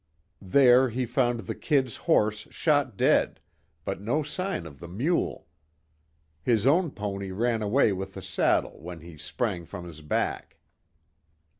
There he found the "Kid's" horse shot dead, but no sign of the mule. His own pony ran away with the saddle, when he sprang from his back.